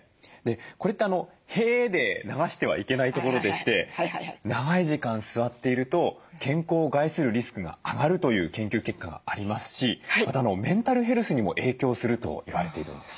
これってへえで流してはいけないところでして長い時間座っていると健康を害するリスクが上がるという研究結果がありますしまたメンタルヘルスにも影響すると言われているんですね。